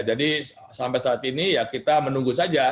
jadi sampai saat ini ya kita menunggu saja